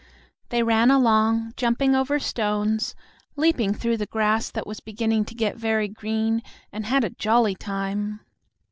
They ran along, jumping over stones, leaping through the grass that was beginning to get very green, and had a jolly time.